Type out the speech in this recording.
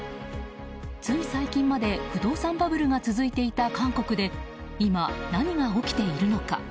つい最近まで不動産バブルが続いていた韓国で今、何が起きているのか。